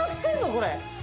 これ。